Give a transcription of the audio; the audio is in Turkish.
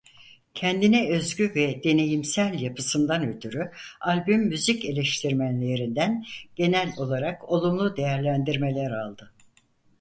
Kendine özgü ve deneyimsel yapısından ötürü albüm müzik eleştirmenlerinden genel olarak olumlu değerlendirmeler aldı.